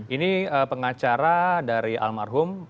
ini pengacara dari almarhum